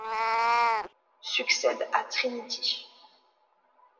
Succède à Trinity.